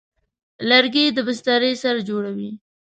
لرګی د بسترې سر جوړوي.